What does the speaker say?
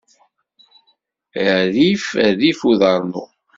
Rrif rrif udarnu.